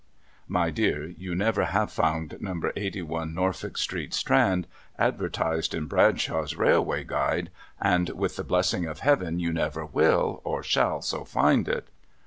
My dear, you never have found Number Eighty one Norfolk Street Strand advertised in Bradshaw's Raihvay Guide, and with the blessing of Heaven you never will or shall so find it.